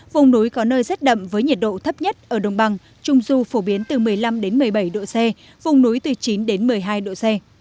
vùng núi có nơi rét đậm với nhiệt độ thấp nhất ở đồng bằng trung du phổ biến từ một mươi năm một mươi bảy độ c vùng núi từ chín đến một mươi hai độ c